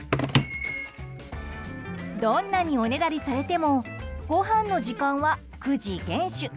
どんなにおねだりされてもごはんの時間は９時厳守。